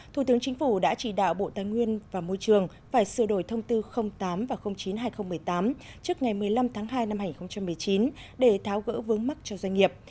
thủ tướng chính phủ đã chỉ đạo bộ tài nguyên và môi trường phải sửa đổi thông tư tám và chín hai nghìn một mươi tám trước ngày một mươi năm tháng hai năm hai nghìn một mươi chín để tháo gỡ vướng mắt cho doanh nghiệp